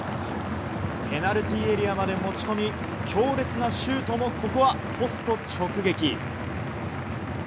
ペナルティーエリアまで持ち込み強烈なシュートもここはポスト直撃。